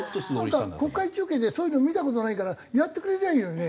なんか国会中継でそういうの見た事ないからやってくれりゃいいのにね。